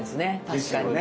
確かに。